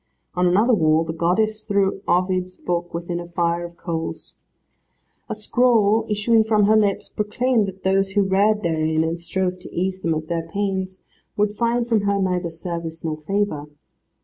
On another wall, the goddess threw Ovid's book within a fire of coals. A scroll issuing from her lips proclaimed that those who read therein, and strove to ease them of their pains, would find from her neither service nor favour.